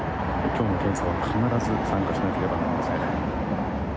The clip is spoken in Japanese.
今日の検査は必ず参加しなければなりません。